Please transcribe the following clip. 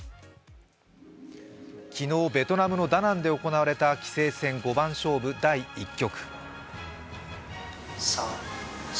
昨日、ベトナムのダナンで行われた棋聖戦五番勝負の第１局。